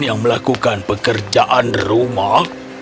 yang melakukan pekerjaan rumah